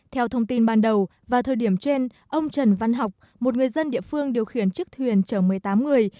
theo thông tin ban đầu vào thời điểm trên ông trần văn học một người dân địa phương điều khiển chiếc thuyền chở một mươi tám người